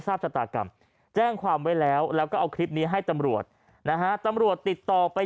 ชะตากรรมแจ้งความไว้แล้วแล้วก็เอาคลิปนี้ให้ตำรวจนะฮะตำรวจติดต่อไป